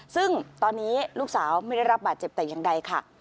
ซึ่งตอนนี้ลูกสาวไม่ได้รับบาดเจ็บแต่อย่างใดค่ะ